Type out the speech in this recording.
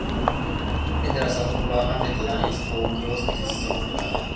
Henderson, one hundred lines for gross disorder!